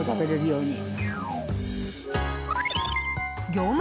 業務